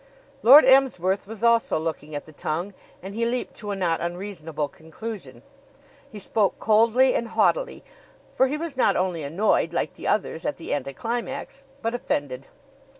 Lord Emsworth was also looking at the tongue and he leaped to a not unreasonable conclusion. He spoke coldly and haughtily; for he was not only annoyed, like the others, at the anticlimax, but offended.